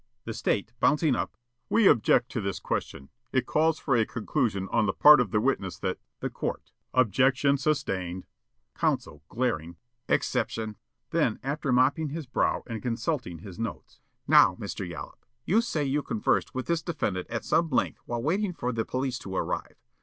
The State, bouncing up: "We object to this question. It calls for a conclusion on the part of the witness that " The Court: "Objection sustained." Counsel, glaring: "Exception." Then, after mopping his brow and consulting his notes: "Now, Mr. Yollop, you say you conversed with this defendant at some length while waiting for the police to arrive.